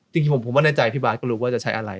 จริงผมว่าในใจพี่บาทก็รู้ว่าจะใช้อะไร